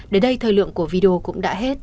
đến đây thời lượng của video cũng đã hết